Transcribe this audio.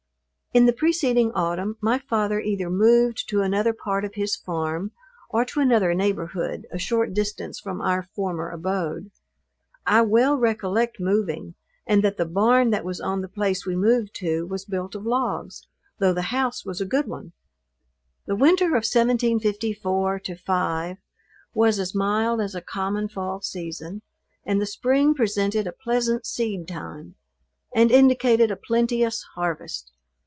In the preceding autumn my father either moved to another part of his farm, or to another neighborhood, a short distance from our former abode. I well recollect moving, and that the barn that was on the place we moved to was built of logs, though the house was a good one. The winter of 1754 5 was as mild as a common fall season, and the spring presented a pleasant seed time, and indicated a plenteous harvest.